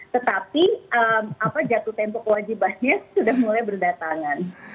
tetapi jatuh tempo kewajibannya sudah mulai berdatangan